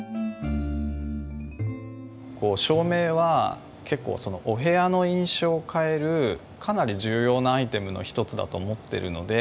照明は結構お部屋の印象を変えるかなり重要なアイテムの一つだと思ってるので